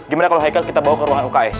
gimana kalau haikal kita bawa ke ruangan uks